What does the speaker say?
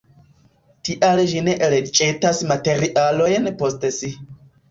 Tial ĝi ne elĵetas materialojn post si.